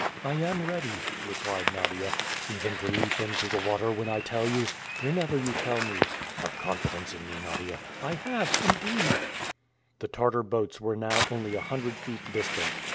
"I am ready," replied Nadia. "Even to leap into the water when I tell you?" "Whenever you tell me." "Have confidence in me, Nadia." "I have, indeed!" The Tartar boats were now only a hundred feet distant.